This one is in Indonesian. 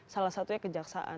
salah satunya kejaksaan